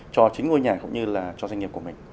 cho chính ngôi nhà cũng như là cho doanh nghiệp của mình